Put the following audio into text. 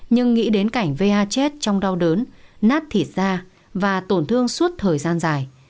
nhưng nghĩ đến cảnh va chết trong đau đớn nát thịt da và tổn thương suốt thời gian dài